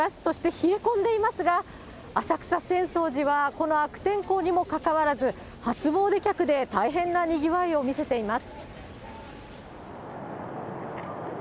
そして冷え込んでいますが、浅草・浅草寺はこの悪天候にもかかわらず、初詣客で大変なにぎわいを見せています。